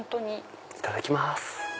いただきます。